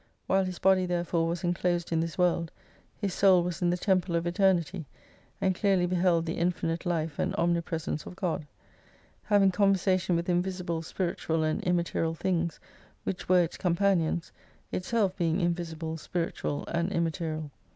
While his body there fore was inclosed in this world, his soul was in the temple of Eternity, and clearly beheld the infinite life and omnipresence of God : Having conversation with invisible, spiritual, and immaterial things, which were its companions, itself being invisible, spiritual and immaterial.